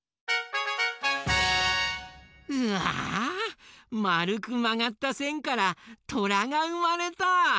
うわまるくまがったせんからトラがうまれた！